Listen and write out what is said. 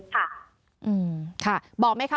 ค่ะอืมค่ะบอกไหมคะ